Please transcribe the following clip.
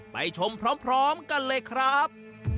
ไปชมพร้อมกันเลยครับ